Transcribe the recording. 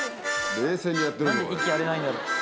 冷静にやってるのがね。